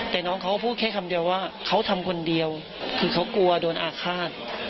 แต่น้องเขาก็พูดแค่คำเดียวว่าเขาทำคนเดียวคือเขากลัวโดนอาฆาต